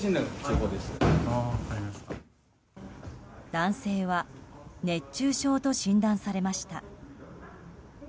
男性は熱中症と診断されました。